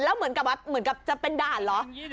แล้วเหมือนกับจะเป็นด่านหรอ